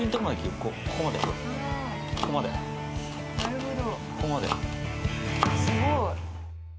なるほど。